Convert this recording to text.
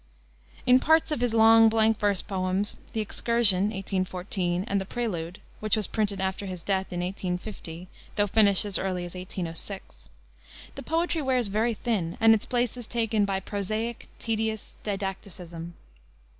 In parts of his long blank verse poems, The Excursion, 1814, and The Prelude which was printed after his death in 1850, though finished as early as 1806 the poetry wears very thin and its place is taken by prosaic, tedious didacticism.